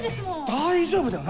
大丈夫だよ！